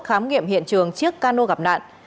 khám nghiệm hiện trường chiếc cano gặp nạn